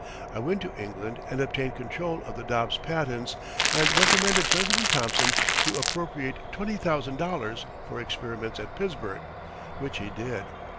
I went to England and obtained control of the Dodds patents and recommended President Thomson to appropriate twenty thousand dollars for experiments at Pittsburgh, which he did.